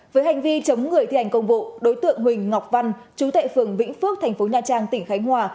với hành vi chống người thi hành công vụ đối tượng huỳnh ngọc văn chú tệ phường vĩnh phước thành phố nha trang tỉnh khánh hòa